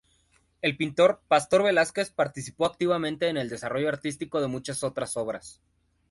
El pintor Pastor Velázquez participó activamente en el desarrollo artístico de muchas otras obras.